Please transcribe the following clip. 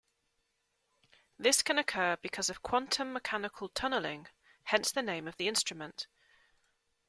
This can occur because of quantum mechanical tunneling, hence the name of the instrument.